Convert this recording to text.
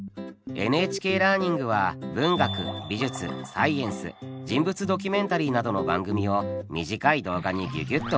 「ＮＨＫラーニング」は文学美術サイエンス人物ドキュメンタリーなどの番組を短い動画にギュギュッと凝縮。